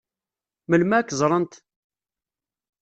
Melmi ad k-ẓṛent?